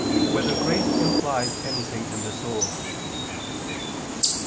1] Whether Grace Implies Anything in the Soul?